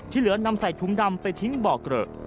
เหลือนำใส่ถุงดำไปทิ้งบ่อเกลอะ